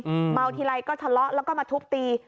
เมาทีไรก็ทะเลาะแล้วก็มาทุบตี